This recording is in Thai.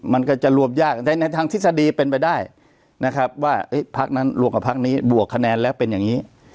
มันก็จะรวมยากในทางทฤษฎีเป็นไปได้นะครับว่าพักนั้นรวมกับพักนี้บวกคะแนนแล้วเป็นอย่างนี้